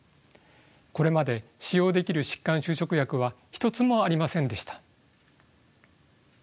これまで使用できる疾患修飾薬は一つもありませんでした。